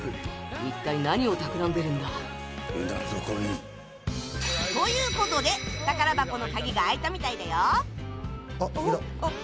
一体何をたくらんでるんだ？ということで宝箱の鍵が開いたみたいだよあっ